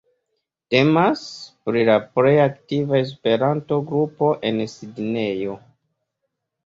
Temas pri la plej aktiva Esperanto-grupo en Sidnejo.